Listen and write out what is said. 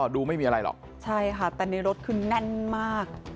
ดูไม่มีอะไรหรอกใช่ค่ะแต่ในรถคือแน่นมาก